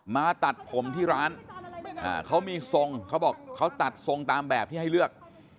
มาตัดผมที่ร้านเขามีทรงเขาบอกเขาตัดทรงตามแบบที่ให้เลือก